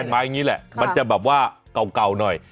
มันจะก่อนให้เก่า